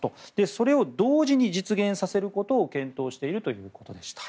それを同時に実現することを検討しているということでした。